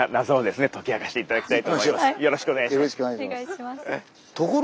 よろしくお願いします。